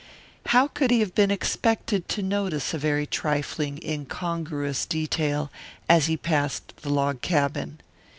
How could he have been expected to notice a very trifling incongruous detail as he passed the log cabin?